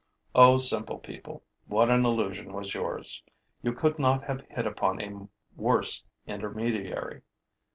O simple people, what an illusion was yours! You could not have hit upon a worse intermediary.